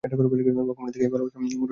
ভগবানের দিকে এই ভালবাসার মোড় ফিরাইতে হইবে।